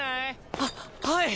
ははい。